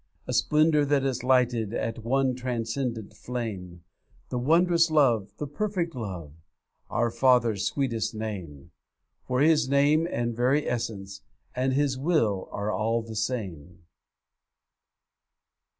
A splendour that is lighted At one transcendent flame, The wondrous Love, the perfect Love, Our Father's sweetest name; For His Name and very Essence And His Will are all the same!